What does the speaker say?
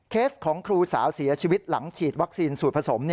ของครูสาวเสียชีวิตหลังฉีดวัคซีนสูตรผสม